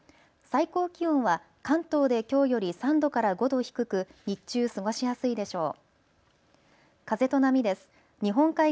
最高気温は関東できょうより３度から５度低く日中過ごしやすいでしょう。